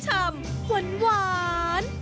หวาน